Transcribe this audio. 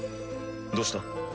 どうした？